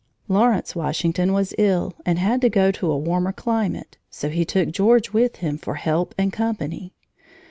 Lawrence Washington was ill and had to go to a warmer climate, so he took George with him for help and company.